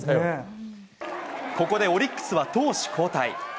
ここでオリックスは投手交代。